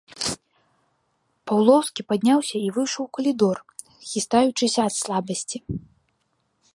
Паўлоўскі падняўся і выйшаў у калідор, хістаючыся ад слабасці.